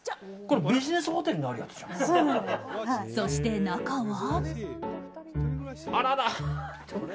そして、中は。